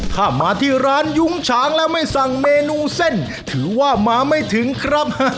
ถ้ามาที่ร้านยุ้งฉางแล้วไม่สั่งเมนูเส้นถือว่ามาไม่ถึงครับ